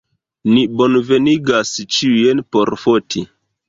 Ni bonvenigas ĉiujn por foti.